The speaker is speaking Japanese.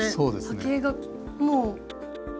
波形がもう。